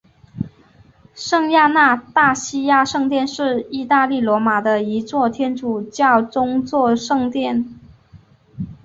圣亚纳大西亚圣殿是意大利罗马的一座天主教宗座圣殿。